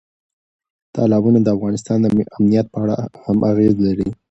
تالابونه د افغانستان د امنیت په اړه هم اغېز لري.